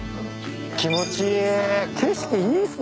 気持ちいい。